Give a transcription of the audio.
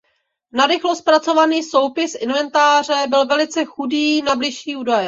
Narychlo zpracovaný soupis inventáře byl velice chudý na bližší údaje.